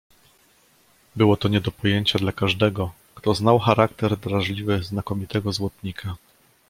"Było to nie do pojęcia dla każdego, kto znał charakter drażliwy znakomitego złotnika."